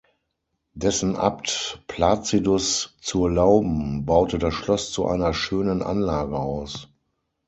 Dessen Abt Plazidus Zurlauben baute das Schloss zu einer schönen Anlage aus.